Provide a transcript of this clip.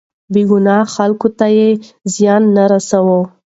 بې ګناه خلکو ته يې زيان نه رساوه.